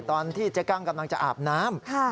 ตอนที่เจ๊กั้งกำลังจะอาบน้ำ